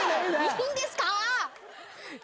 いいんですか？